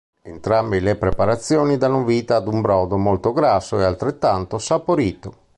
Entrambe le preparazioni danno vita ad un brodo molto grasso ed altrettanto saporito.